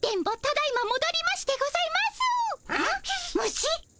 虫？